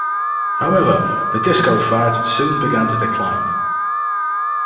However, the disco fad soon began to decline.